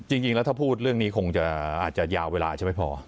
จริงแล้วถ้าพูดเรื่องนี้คงจะอาจจะยาวเวลาใช่ไหมพอ